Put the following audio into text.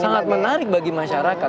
sangat menarik bagi masyarakat